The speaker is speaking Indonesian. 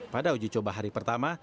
pada uji coba hari pertama